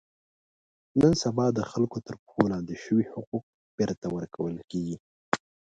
نن سبا د خلکو تر پښو لاندې شوي حقوق بېرته ور کول کېږي.